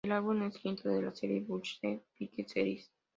El álbum es el quinto de la serie "Buckethead Pikes Series".